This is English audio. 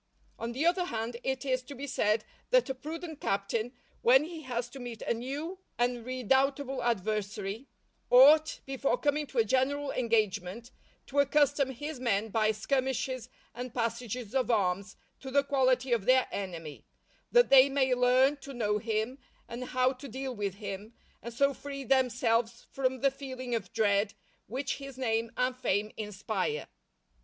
On the other hand, it is to be said that a prudent captain, when he has to meet a new and redoubtable adversary, ought, before coming to a general engagement, to accustom his men by skirmishes and passages of arms, to the quality of their enemy; that they may learn to know him, and how to deal with him, and so free themselves from the feeling of dread which his name and fame inspire.